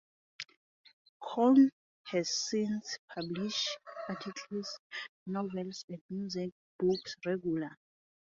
Cohn has since published articles, novels and music books regularly.